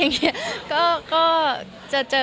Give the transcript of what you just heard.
คุณแม่มะม่ากับมะมี่